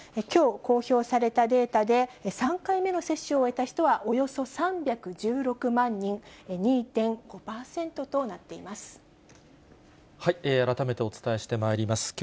きょう公表されたデータで、３回目の接種を終えた人はおよそ３１６万人、２．５％となってい改めてお伝えしてまいります。